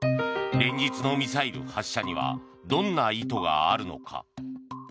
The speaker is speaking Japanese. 連日のミサイル発射にはどんな意図があるのか。